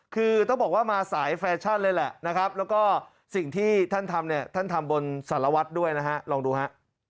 คือต้องบอกว่ามาสายแฟชั่นเลยแหละนะครับแล้วก็สิ่งที่ท่านทำเนี่ยท่านทำบนสารวัตรด้วยนะฮะลองดูฮะ